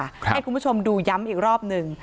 ให้คุณผู้ชมดูย้ำอีกรอบหนึ่ง